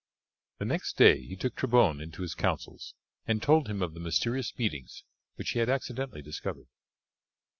The next day he took Trebon into his counsels and told him of the mysterious meetings which he had accidentally discovered.